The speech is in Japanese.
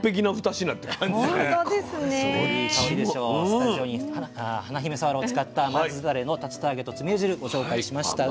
スタジオに華姫さわらを使った甘酢だれの竜田揚げとつみれ汁ご紹介しました。